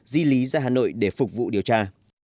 di lý ra hà nội để phục vụ điều tra